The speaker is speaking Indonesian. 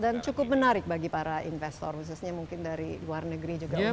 dan cukup menarik bagi para investor khususnya mungkin dari luar negeri juga untuk berinvestasi